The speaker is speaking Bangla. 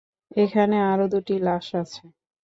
এখানে আরও দুটি লাশ আছে।